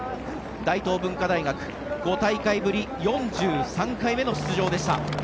大東文化大学５大会ぶり４３回目の出場でした。